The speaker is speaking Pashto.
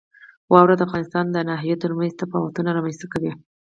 واوره د افغانستان د ناحیو ترمنځ تفاوتونه رامنځ ته کوي.